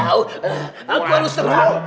aku harus terbang